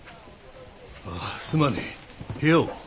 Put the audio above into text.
すまねえ部屋を。